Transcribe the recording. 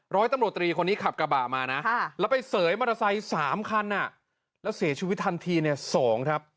ร้อยตำรวจตรีคนนี้ขับกระบะมานะแล้วไปเสยมอเตอร์ไซค์๓คันแล้วเสียชีวิตทันทีเนี่ย๒ครับ